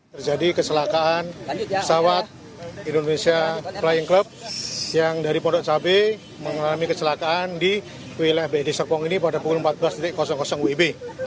terjadi kecelakaan pesawat indonesia flying club yang dari pondok cabai mengalami kecelakaan di wilayah bd serpong ini pada pukul empat belas wib